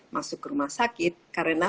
masuk ke rumah sakit karena